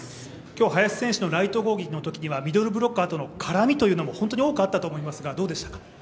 今日林選手のライト攻撃のときにはミドルブロッカーとの絡みというのも本当に多くあったと思いますが、どうでしたか？